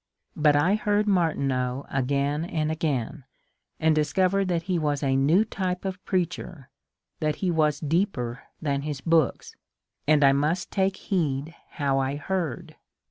But I heard Martineau again and again, and discov ered that he was a new type of preacher, that he was deeper than his books, and I must take heed how I heard.